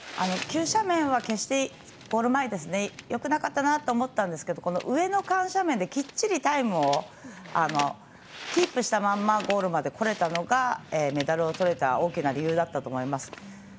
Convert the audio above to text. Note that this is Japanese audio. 急斜面は決してよくなかったなと思ったんですけど上の緩斜面できっちりタイムをキープしたままゴールまで来れたのがメダルをとれた大きな理由だったと思います。